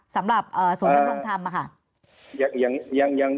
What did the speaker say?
สำหรับส่วนการรองทำค่ะ